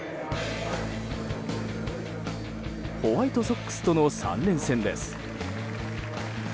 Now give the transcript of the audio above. ホワイトソックスとの３連戦です。